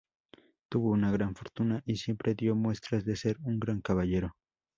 Tuvo una gran fortuna y siempre dio muestras de ser un gran caballero.